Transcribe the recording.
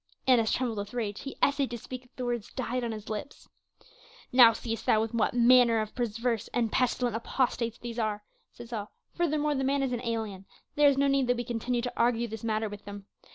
Annas trembled with rage. He essayed to speak, but the words died on his lips. "Now seest thou what manner of perverse and pestilent apostates these are," said Saul. "Furthermore, the man is an alien. There is no need that we continue to argue this matter with them.